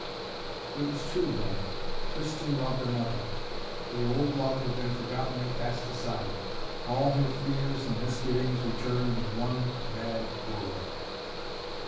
It was true, then! Tristan loved another. The old love had been forgotten and cast aside! All her fears and misgivings returned in one mad whirl.